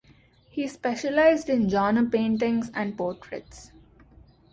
He specialized in genre paintings and portraits.